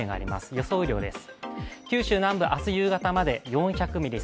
予想雨量です。